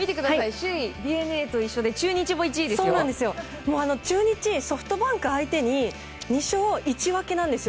ＤｅＮＡと一緒で中日、ソフトバンク相手に２勝１分けなんですよ。